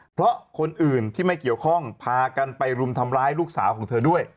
เพราะคนอื่นที่ไม่เกี่ยวข้องพากันไปรุมทำร้ายลูกสาวของเธอด้วย